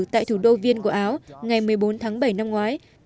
tại thủ đô viên của áo ngày một mươi bốn tháng bảy năm ngoái